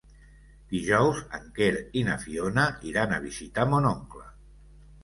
Dijous en Quer i na Fiona iran a visitar mon oncle.